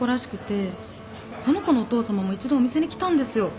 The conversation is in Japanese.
その子のお父さまも一度お店に来たんですよ。